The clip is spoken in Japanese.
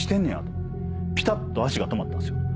とぴたっと足が止まったんすよ。